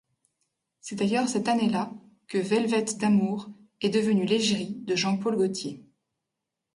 C'est d'ailleurs cette année-là que Velvet D'amour est devenu l'égérie de Jean Paul Gaultier.